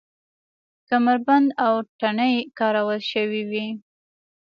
کمربند او تڼۍ کارول شوې وې.